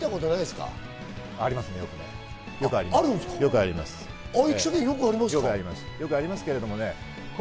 よくありますけれどもね。